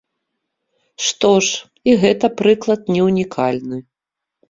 Што ж, і гэты прыклад не ўнікальны.